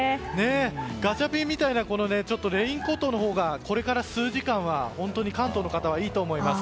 ガチャピンみたいなレインコートのほうがこれから数時間は本当に関東の方はいいと思います。